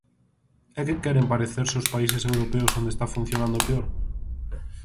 ¿É que queren parecerse aos países europeos onde está funcionando peor?